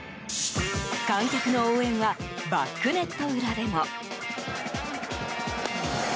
観客の応援はバックネット裏でも。